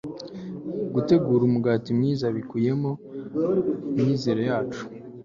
Gutegura Umugati Mwiza Bikubiyemo Imyizerere Yacu